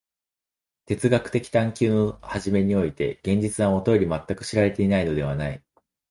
哲学的探求の初めにおいて現実はもとより全く知られていないのではない。